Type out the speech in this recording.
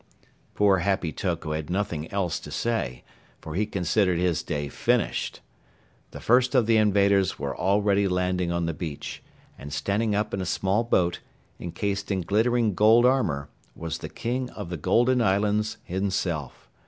Poor Happy Toko had nothing else to say, for he considered his day finished. The first of the invaders were already landing on the beach, and standing up in a small boat, encased in glittering gold armor, was the King of the Golden Islands, himself.